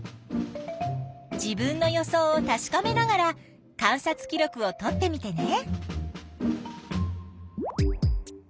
自分の予想をたしかめながら観察記録をとってみてね！